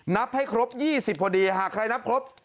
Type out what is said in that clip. นับให้ครบ๒๐พอดีหากใครนับครบ